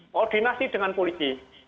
koordinasi dengan polisi